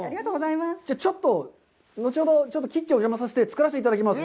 ちょっと後ほどキッチンにお邪魔して作らせていただきます。